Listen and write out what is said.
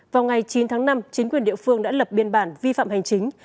vào ngày chín tháng năm chính quyền địa phương đã lập biên bản vi phạm hành chính